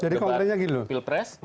jadi konkretnya gini loh